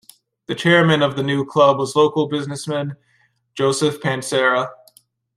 The chairman of the new club was local businessman Joseph Pansera.